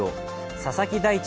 佐々木大地